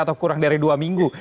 atau kurang dari dua minggu